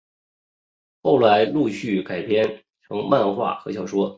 后来陆续改编成漫画和小说。